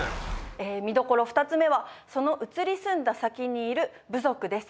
見どころ２つ目はその移り住んだ先にいる部族です。